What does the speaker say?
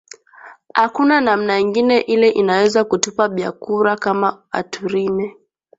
Akuna namna ingine ile inaweza ku tupa byakuria kama atu rime